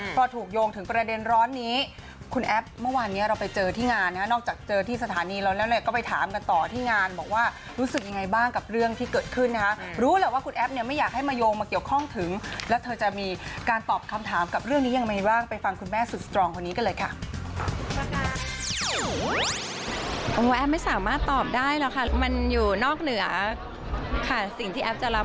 พอถูกโยงถึงประเด็นร้อนนี้คุณแอฟเมื่อวานนี้เราไปเจอที่งานนะนอกจากเจอที่สถานีเราแล้วเนี่ยก็ไปถามกันต่อที่งานบอกว่ารู้สึกยังไงบ้างกับเรื่องที่เกิดขึ้นนะคะรู้แหละว่าคุณแอฟเนี่ยไม่อยากให้มาโยงมาเกี่ยวข้องถึงแล้วเธอจะมีการตอบคำถามกับเรื่องนี้ยังไงบ้างไปฟังคุณแม่สุดสตรองคนนี้กันเลยค่ะ